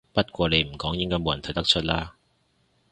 不過你唔講應該冇人睇得出啦